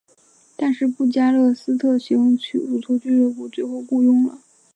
但是布加勒斯特星足球俱乐部最后雇佣了。